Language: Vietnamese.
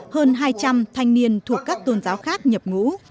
hơn hai trăm linh thanh niên thuộc các tôn giáo khác nhập ngũ